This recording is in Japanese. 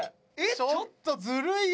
ちょっとずるいよこれ！